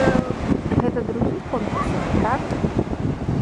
Гэта другі конкурс ужо, так?